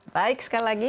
baik sekali lagi